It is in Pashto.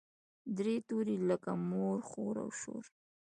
درې توري لکه مور، خور او شور.